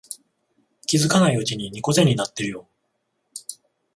気づかないうちに猫背になってるよ